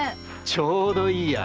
ちょうどいいや。